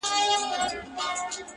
• زه چي کور ته ورسمه هغه نه وي؛